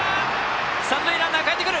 三塁ランナーかえってくる！